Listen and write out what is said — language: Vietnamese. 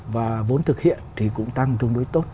và vốn thực hiện thì cũng tăng tương đối tốt